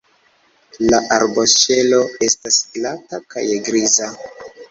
La arboŝelo estas glata kaj griza.